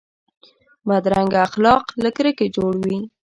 بدرنګه اخلاق له کرکې جوړ وي